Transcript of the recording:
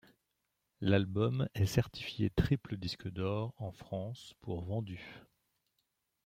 L'album est certifié triple disque d'or en France pour vendus.